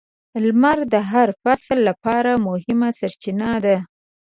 • لمر د هر فصل لپاره مهمه سرچینه ده.